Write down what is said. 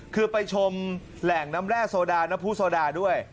คือไปชมแหล่งน้ำแร่โซดาน้ำผู้โซดาด้วย